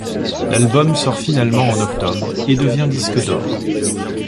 L'album sort finalement en octobre et devient disque d'or.